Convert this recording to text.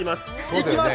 いきます！